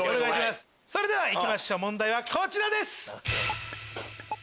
それではいきましょう問題はこちらです！